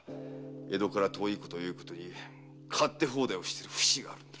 江戸から遠いことをよいことに勝手放題をしてる節があるのだ。